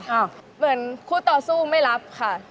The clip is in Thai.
เหมือนคู่ต่อสู้ไม่รับค่ะ